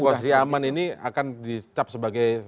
posisi aman ini akan dicap sebagai